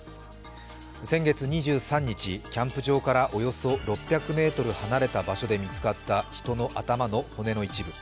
先月２３日、キャンプ場からおよそ６００ｍ離れた場所で見つかった人の頭の骨の一部。